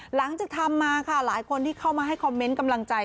หลังจากทำมาค่ะหลายคนที่เข้ามาให้คอมเมนต์กำลังใจ